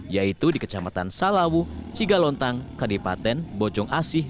yaitu di kecamatan salawu cigalontang kadipaten bojong asih